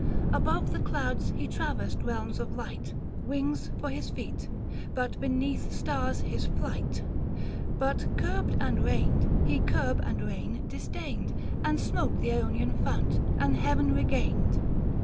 490 Above the clouds, he traversed realms of light ; Wings for his feet, but beneath stars his flight ; But curbed and reined, he curb and rein disdained, And smote th' Aonian fount and heaven regained.